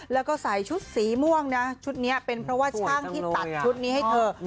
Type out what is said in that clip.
แล้วก็ใส่ชุดสีม่วงนะชุดนี้เป็นเพราะว่าช่างที่ตัดชุดนี้ให้เธอ